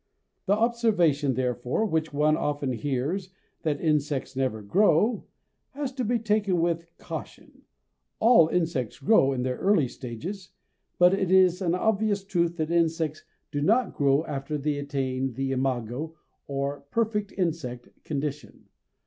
The observation, therefore, which one often hears that insects never grow, has to be taken with caution; all insects grow in their early stages, but it is an obvious truth that insects do not grow after they attain the imago or "perfect insect" condition.